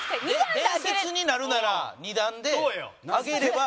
伝説になるなら２段で上げれば。